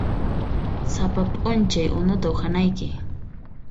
Sapa p'unchay unuta uhanayki.